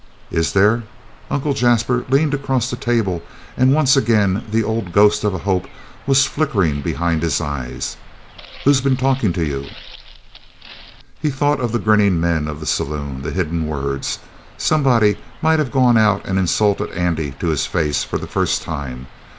"Is there?" Uncle Jasper leaned across the table, and once again the old ghost of a hope was flickering behind his eyes. "Who's been talkin' to you?" He thought of the grinning men of the saloon; the hidden words. Somebody might have gone out and insulted Andy to his face for the first time.